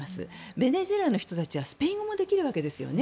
ベネズエラの人たちはスペイン語もできるわけですよね。